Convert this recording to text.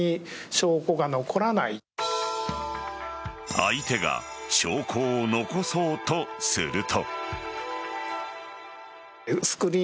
相手が証拠を残そうとすると。